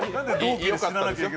よかったですよ。